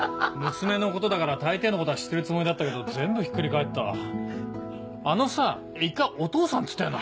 娘のことだから大抵のことは知ってるつもりだったけど全部ひっくり返ったわあのさ一回「お父さん」って言ったよな。